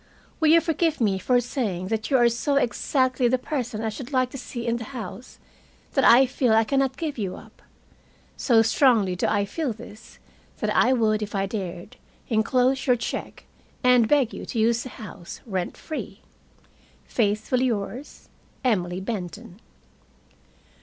"Will you forgive me for saying that you are so exactly the person I should like to see in the house that I feel I can not give you up? So strongly do I feel this that I would, if I dared, enclose your check and beg you to use the house rent free. Faithfully yours, Emily Benton."